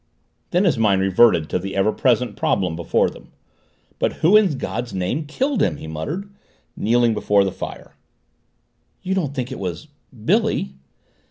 Then his mind reverted to the ever present problem before them. "But who in God's name killed him?" he muttered, kneeling before the fire. "You don't think it was Billy?"